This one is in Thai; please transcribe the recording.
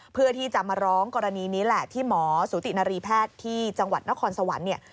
เพื่อที่จะมาร้องกรณีนี้แหละที่หมอสูตินารีแพทย์ที่จังหวัดนครสวรรค์เนี่ย